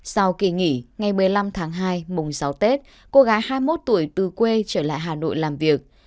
sau kỳ nghỉ ngày một mươi năm tháng hai mùng sáu tết cô gái hai mươi một tuổi từ quê trở lại hà nội làm việc